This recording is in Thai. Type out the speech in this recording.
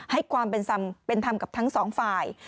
ให้ความเป็นธรรมเป็นธรรมกับทั้งสองฝ่าย